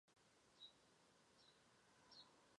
出生在庆尚北道庆州市。